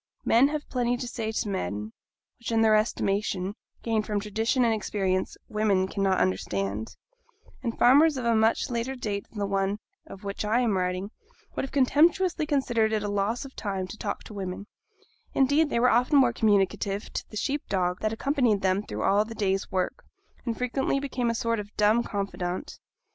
Men have plenty to say to men, which in their estimation (gained from tradition and experience) women cannot understand; and farmers of a much later date than the one of which I am writing, would have contemptuously considered it as a loss of time to talk to women; indeed, they were often more communicative to the sheep dog that accompanied them through all the day's work, and frequently became a sort of dumb confidant.